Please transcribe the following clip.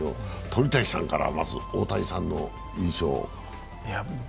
鳥谷さんから大谷さんの印象を。